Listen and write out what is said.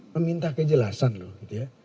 meminta kejelasan loh gitu ya